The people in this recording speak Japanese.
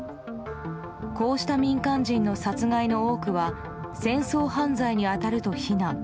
こうした民間人の殺害の多くは戦争犯罪に当たると非難。